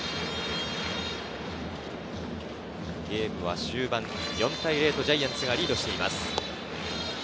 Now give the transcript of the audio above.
ゲームは終盤、４対０とジャイアンツがリードしています。